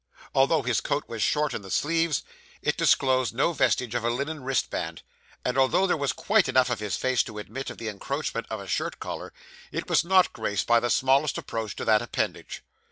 Although his coat was short in the sleeves, it disclosed no vestige of a linen wristband; and although there was quite enough of his face to admit of the encroachment of a shirt collar, it was not graced by the smallest approach to that appendage.